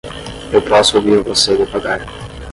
Eu posso ouvir você devagar.